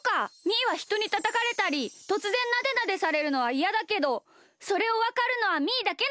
みーはひとにたたかれたりとつぜんなでなでされるのはいやだけどそれをわかるのはみーだけなのか！